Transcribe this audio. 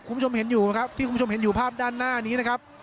คุณผู้ชมเห็นอยู่นะครับที่คุณผู้ชมเห็นอยู่ภาพด้านหน้านี้นะครับ